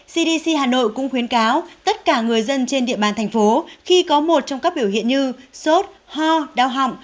cdc hà nội cũng khuyến cáo tất cả người dân trên địa bàn thành phố khi có một trong các biểu hiện như sốt ho đau họng